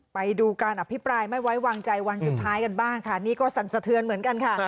ไปดูการอภิปรายไม่ไว้วางใจวันสุดท้ายกันบ้างค่ะนี่ก็สั่นสะเทือนเหมือนกันค่ะ